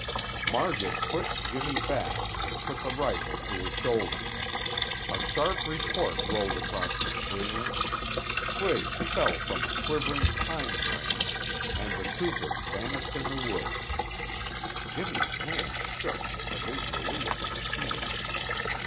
Margaret pushed Jimmy back and put the rifle to her shoulder. A sharp report rolled across the clearing, twigs fell from a quivering pine branch, and the trooper vanished in the woods. Jimmy's hands shook, but his relief was keen.